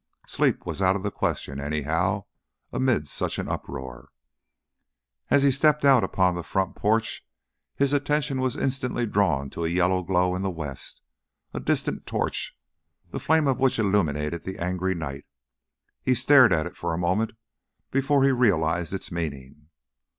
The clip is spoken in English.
Sleep was out of the question, anyhow, amid such an uproar. As he stepped out upon the front porch, his attention was instantly drawn to a yellow glow in the west, a distant torch, the flame of which illuminated the angry night. He stared at it for a moment before he realized its meaning.